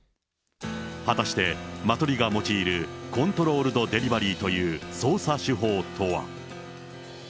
果たして、麻取が用いるコントロールド・デリバリーという捜査手法とは。